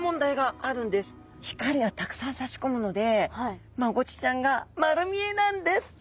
光がたくさんさし込むのでマゴチちゃんが丸見えなんです。